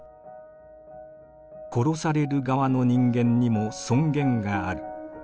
殺される側の人間にも尊厳がある。